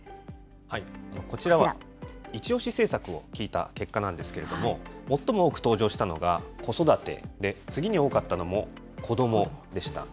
こちらはイチオシ政策を聞いた結果なんですけれども、最も多く登場したのが子育てで、次に多かったのも子どもでした。